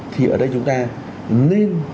thì ở đây chúng ta nên